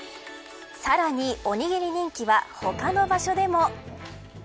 さらにおにぎり人気は他の場所でも。